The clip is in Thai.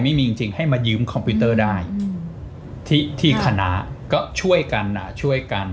ไม่มีจริงให้มายืมคอมพิวเตอร์ได้ที่ที่คณะก็ช่วยกัน